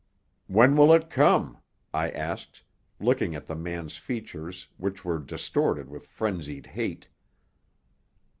"When will it come?" I asked, looking at the man's features, which were distorted with frenzied hate.